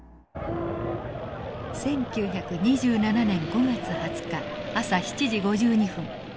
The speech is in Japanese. １９２７年５月２０日朝７時５２分。